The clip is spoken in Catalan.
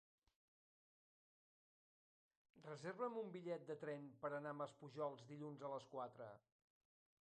Reserva'm un bitllet de tren per anar a Maspujols dilluns a les quatre.